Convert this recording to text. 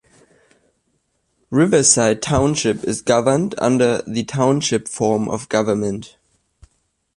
Riverside Township is governed under the Township form of government.